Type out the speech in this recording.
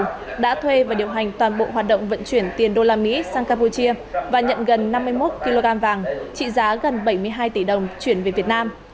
ngân đã thuê và điều hành toàn bộ hoạt động vận chuyển tiền đô la mỹ sang campuchia và nhận gần năm mươi một kg vàng trị giá gần bảy mươi hai tỷ đồng chuyển về việt nam